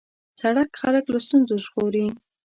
سړک خلک له ستونزو ژغوري.